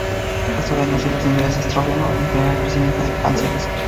Esto reduce los niveles de estrógeno, y frena el crecimiento de cánceres.